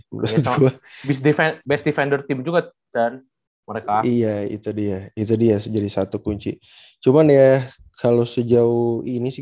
menurutnya best defender team juga kan mereka iya itu dia itu dia jadi satu kunci cuman ya kalau sejauh ini sih